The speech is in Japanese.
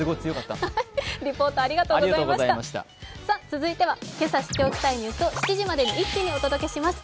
続いてはけさ知っておきたいニュースを７時までに一気にお伝えします